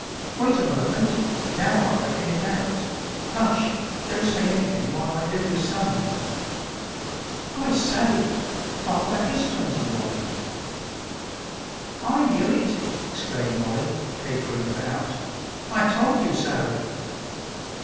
Wait a moment. Now I'll reckon it out. Hush! Don't say anything while I do the sum. I say! Father is twenty one!" "I knew it!" exclaimed Molly, capering about. "I told you so."